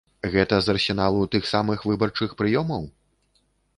Гэта з арсеналу тых самых выбарчых прыёмаў?